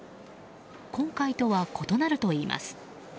今回とは異なるといいます。